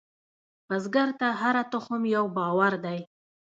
بزګر ته هره تخم یو باور دی